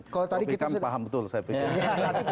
kalau pekan paham betul saya pikir